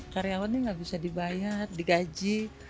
karyawannya nggak bisa dibayar digaji